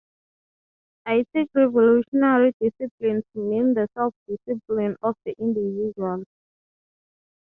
I take revolutionary discipline to mean the self-discipline of the individual.